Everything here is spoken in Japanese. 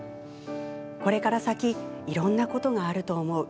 これから先いろんなことがあると思う。